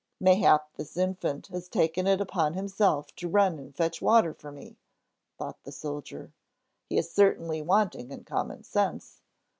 "Mayhap this infant has taken it upon himself to run and fetch water for me," thought the soldier. "He is certainly wanting in common sense.